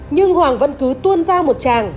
nhưng hoàng vẫn cứ tuôn ra một chàng